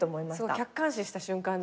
客観視した瞬間だ。